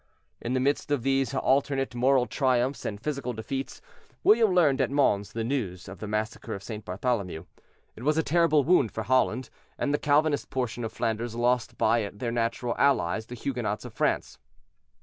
In the midst of these alternate moral triumphs and physical defeats, William learned at Mons the news of the massacre of St. Bartholomew. It was a terrible wound for Holland, and the Calvinist portion of Flanders lost by it their natural allies, the Huguenots of France.